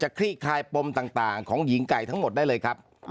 คลี่คลายปมต่างของหญิงไก่ทั้งหมดได้เลยครับ